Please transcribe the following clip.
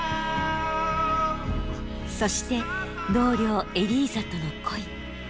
そして同僚エリーザとの恋。